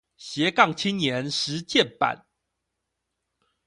斜槓青年實踐版